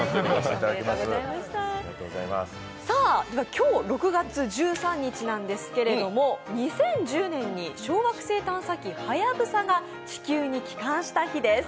今日６月１３日なんですが２０１０年に小惑星探査機「はやぶさ」が地球に帰還した日です。